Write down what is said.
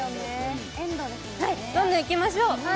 どんどんいきましょう。